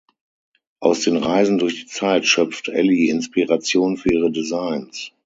Aus den Reisen durch die Zeit schöpft Ellie Inspiration für ihre Designs.